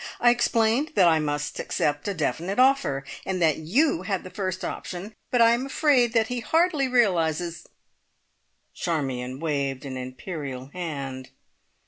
I explained that I must accept a definite offer, and that you had the first option, but I am afraid that he hardly realises " Charmion waved an imperial hand.